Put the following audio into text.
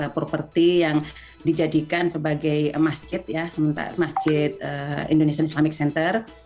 properti yang dijadikan sebagai masjid ya masjid indonesian islamic center